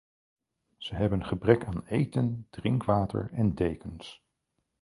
Ze hebben gebrek aan eten, drinkwater en dekens.